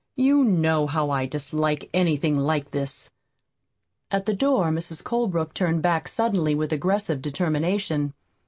You KNOW how I dislike anything like this." At the door Mrs. Colebrook turned back suddenly with aggressive determination.